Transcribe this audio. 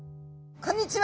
こんにちは。